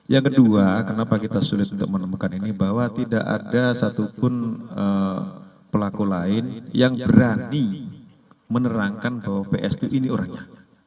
yang kedua kenapa kita sulit untuk menemukan ini bahwa tidak ada satupun pelaku lain yang berani menerangkan bahwa pst ini orangnya